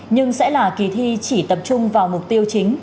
nhưng sẽ là kỳ thi chỉ tập trung vào mục tiêu chính